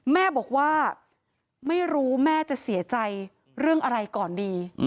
แม่บอกว่าไม่รู้แม่จะเสียใจเรื่องอะไรก่อนดี